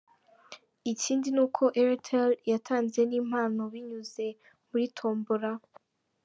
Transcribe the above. Ikindi ni uko Airtel yatanze n’impano binyuze muri Tombora.